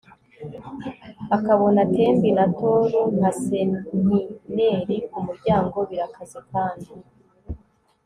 akabona tembi na tor nka sentinel kumuryango. birakaze kandi